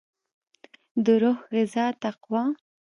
دروح غذا تقوا